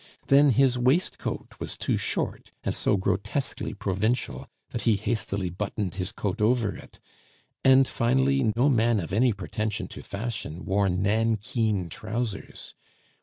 Then his waistcoat was too short, and so grotesquely provincial, that he hastily buttoned his coat over it; and, finally, no man of any pretension to fashion wore nankeen trousers.